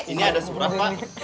ini ada seberapa